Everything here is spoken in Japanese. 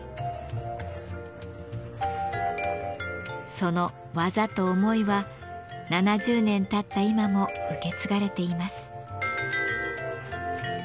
その技と思いは７０年たった今も受け継がれています。